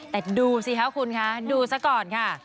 แต่ดูสิคะคุณคะดูซะก่อนค่ะ